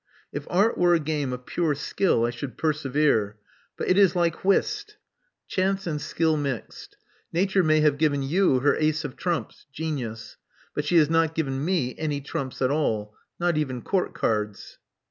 If Art were a game of pure skill, I should persevere ; but it is like whist, 112 Love Among the Artists chance and skill mixed. Nature may have given you her ace of trumps — genius; but she has not given me any trumps at all — not even court cards.